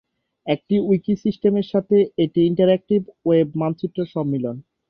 একটি উইকি সিস্টেমের সাথে এটি ইন্টারেক্টিভ ওয়েব মানচিত্র সম্মিলন।